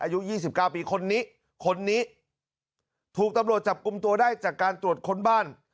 อายุ๒๙ปีคนนี้คนนี้ถูกตำรวจจับกลุ่มตัวได้จากการตรวจค้นบ้าน